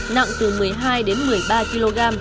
nặng từ một mươi hai đến một mươi ba kg